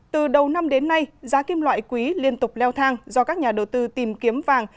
từ đầu năm đến nay giá kim loại quý liên tục leo thang do các nhà đầu tư tìm kiếm vàng